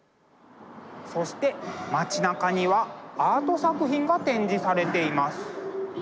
そして街なかにはアート作品が展示されています。